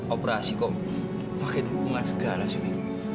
operasi kok pakai dukungan segala sih